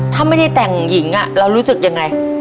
ถ้าไม่ได้แต่งหญิงเรารู้สึกยังไง